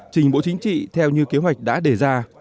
trình bộ chính trị theo như kế hoạch đã đề ra